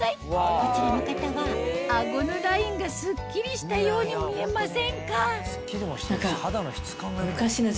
こちらの方は顎のラインがスッキリしたように見えませんか？